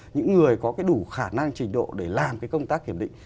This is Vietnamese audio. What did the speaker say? những người có đủ khả năng trình độ để làm cái công tác kiểm định